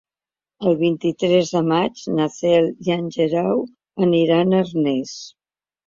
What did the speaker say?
El vint-i-tres de maig na Cel i en Guerau aniran a Arnes.